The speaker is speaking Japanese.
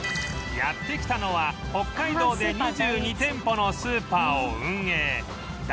やって来たのは北海道で２２店舗のスーパーを運営ダイイチ